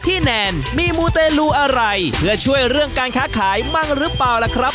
แนนมีมูเตลูอะไรเพื่อช่วยเรื่องการค้าขายบ้างหรือเปล่าล่ะครับ